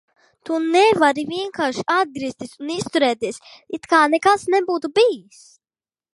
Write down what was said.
Tu nevari vienkārši atgriezties un izturēties, it kā nekas nebūtu bijis!